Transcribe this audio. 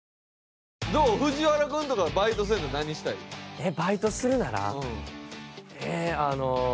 えっバイトするなら？